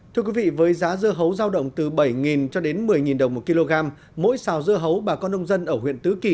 thưa quý vị với giá dưa hấu giao động từ bảy cho đến một mươi đồng một kg mỗi xào dưa hấu bà con nông dân ở huyện tứ kỳ